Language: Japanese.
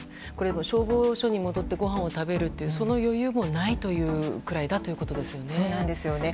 消防署に戻ってごはんを食べるその余裕もないというくらいだということですね。